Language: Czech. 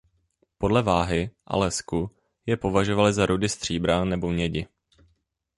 Podle váhy a lesku je považovali za rudy stříbra nebo mědi.